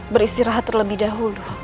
beristirahat terlebih dahulu